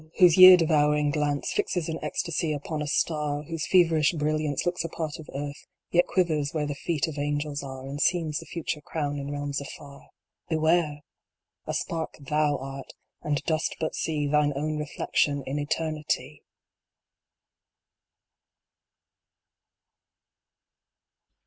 whose year devouring glance Fixes in ecstasy upon a star, Whose feverish brilliance looks a part of earth, Yet quivers where the feet of angels are, And seems the future crown in realms afar Beware ! A spark thou art, and dost but see Thine own reflection in Eternity